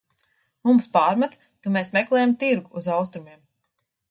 Mums pārmet, ka mēs meklējam tirgu uz Austrumiem.